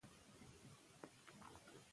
جرایم ډیریږي.